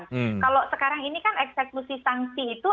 kalau sekarang ini kan eksekusi sanksi itu